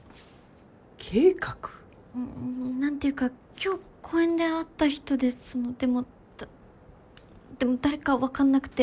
「計画」？なんていうか今日公園で会った人でそのでも誰か分かんなくて。